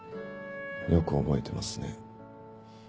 よく覚えてますね。